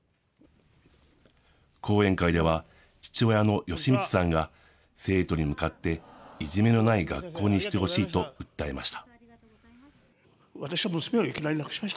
講演会では、父親の慶光さんが生徒に向かっていじめのない学校にしてほしいと訴えました。